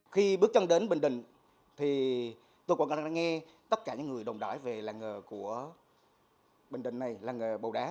khi bước chân đến bình định tôi còn đang nghe tất cả những người đồng đoái về làng ngờ của bình định này làng ngờ bầu đá